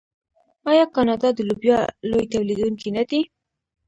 آیا کاناډا د لوبیا لوی تولیدونکی نه دی؟